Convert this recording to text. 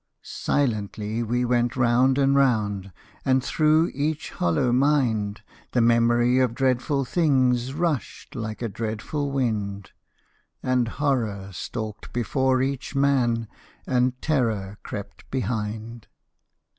Silently we went round and round, And through each hollow mind The Memory of dreadful things Rushed like a dreadful wind, And Horror stalked before each man, And Terror crept behind.